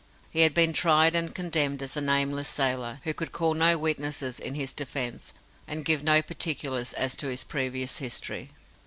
He had been tried and condemned as a nameless sailor, who could call no witnesses in his defence, and give no particulars as to his previous history.